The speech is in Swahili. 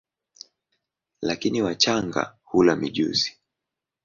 Lakini wachanga hula mijusi.